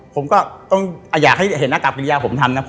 ผมก็ต้องอยากให้เห็นหน้ากากปริญญาผมทันนะ